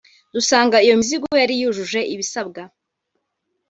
dusanga iyo mizigo yari yujuje ibisabwa